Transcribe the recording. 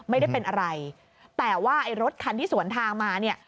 ไม่ได้เป็นอะไรแต่ว่าไอ้รถคันที่สวนทางมาเนี่ย